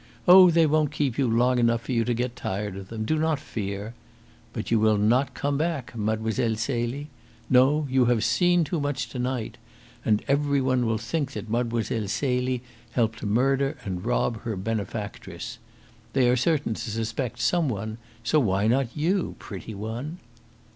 Oh, they won't keep you long enough for you to get tired of them. Do not fear! But you will not come back, Mile. Celie. No; you have seen too much to night. And every one will think that Mlle. Celie helped to murder and rob her benefactress. They are certain to suspect some one, so why not you, pretty one?"